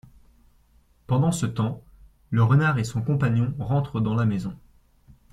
Pendant ce temps, le renard et son compagnon rentrent dans la maison.